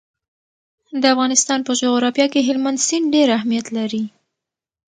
د افغانستان په جغرافیه کې هلمند سیند ډېر اهمیت لري.